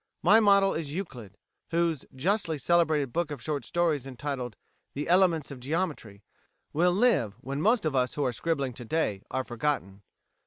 ... My model is Euclid, whose justly celebrated book of short stories entitled 'The Elements of Geometry' will live when most of us who are scribbling to day are forgotten.